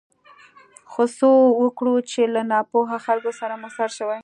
خو څه وکړو چې له ناپوهه خلکو سره مو سر شوی.